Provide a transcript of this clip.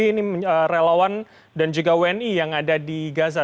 ini relawan dan juga wni yang ada di gaza